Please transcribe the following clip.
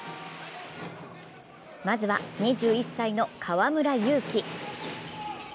まずは２１歳の河村勇輝。